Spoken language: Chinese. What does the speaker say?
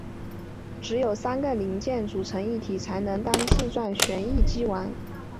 只有三个零件组成一体才能当自转旋翼机玩。